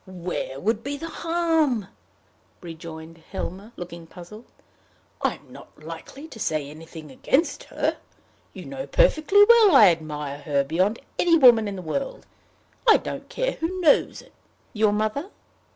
"Where would be the harm?" rejoined Helmer, looking puzzled. "I am not likely to say anything against her. You know perfectly well I admire her beyond any woman in the world. I don't care who knows it." "Your mother?"